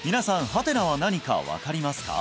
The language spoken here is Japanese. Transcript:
ハテナは何か分かりますか？